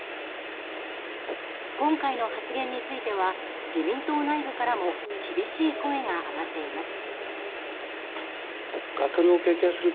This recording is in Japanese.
今回の発言については自民党内部からも厳しい声が上がっています。